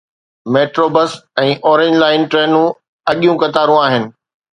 Metro bus ۽ orange line ٽرينون اڳيون قطارون آهن.